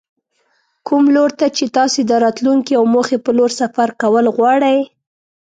کوم لور ته چې تاسې د راتلونکې او موخې په لور سفر کول غواړئ.